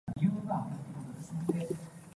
唔該借借